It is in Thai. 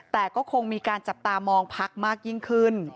แต่ก็คงมีการจับตามองพักมากยิ่งขึ้น